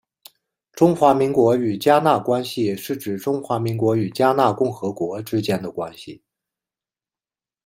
中华民国与迦纳关系是指中华民国与迦纳共和国之间的关系。